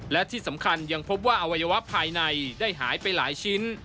และที่สำคัญยังพบว่าอวัยวะภายในได้หายไปหลายชิ้น